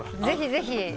ぜひぜひ。